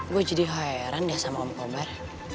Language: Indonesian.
gue jadi heran ya sama om komar